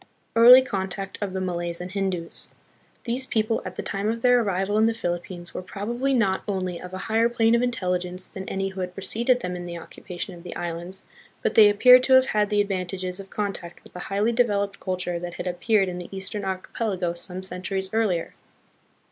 Early Contact of the Malays and Hindus. These peo ple at the time of their arrival in the Philippines were probably not only of a higher plane of intelligence than any Mindanao Brass Vessels. who had preceded them in the occupation of the islands, but they appear to have had the advantages of contact with a highly developed culture that had appeared in the eastern archipelago some centuries earlier.